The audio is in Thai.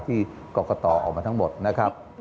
ที่กรกตออกมาทั้งหมดนะครับ